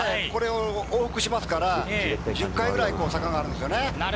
ここを往復しますから１０回くらい坂があるんですよね。